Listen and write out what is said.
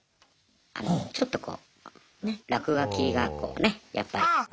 あのちょっとこうね落書きがこうねやっぱり。